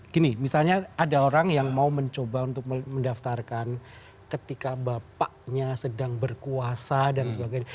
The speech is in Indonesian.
gini misalnya ada orang yang mau mencoba untuk mendaftarkan ketika bapaknya sedang berkuasa dan sebagainya